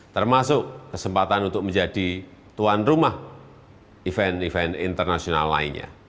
termasuk kesempatan untuk menjadi tuan rumah event event internasional lainnya